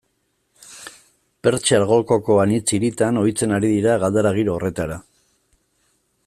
Pertsiar Golkoko anitz hiritan ohitzen ari dira galdara giro horretara.